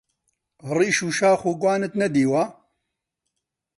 ڕیش و شاخ و گوانت نەدیوە؟!